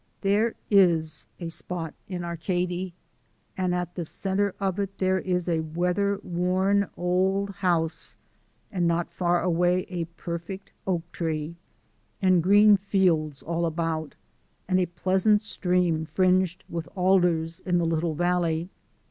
There IS a spot in Arcady, and at the centre of it there is a weather worn old house, and not far away a perfect oak tree, and green fields all about, and a pleasant stream fringed with alders in the little valley.